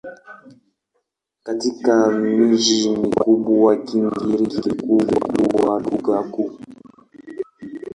Katika miji mikubwa Kigiriki kilikuwa lugha kuu.